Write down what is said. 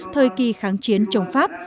thời kỳ kháng chiến chống pháp